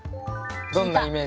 どんなイメージ？